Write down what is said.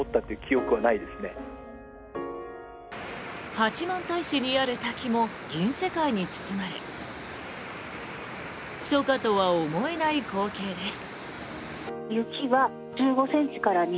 八幡平市にある滝も銀世界に包まれ初夏とは思えない光景です。